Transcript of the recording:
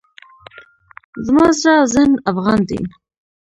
زما زړه او ذهن افغان دی.